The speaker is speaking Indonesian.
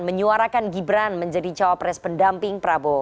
menyuarakan gibran menjadi cawapres pendamping prabowo